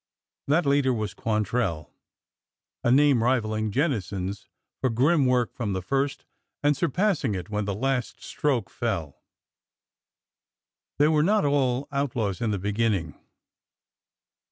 That leader was Quantrell — a name rivaling Jennison's for grim work from the first, and surpassing it when the last stroke fell. They were not all outlaws in the beginning.